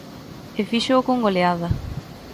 E fíxoo con goleada.